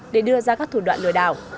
để đưa ra các thủ đoạn lừa đảo